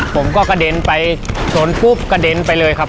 ผมก็กระเด็นไปชนปุ๊บกระเด็นไปเลยครับ